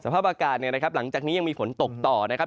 สภาพอากาศหลังจากนี้ยังมีฝนตกต่อนะครับ